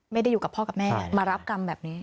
อยู่กับพ่อกับแม่มารับกรรมแบบนี้